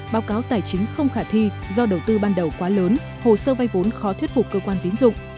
báo cáo tài chính không khả thi do đầu tư ban đầu quá lớn hồ sơ vay vốn khó thuyết phục cơ quan tiến dụng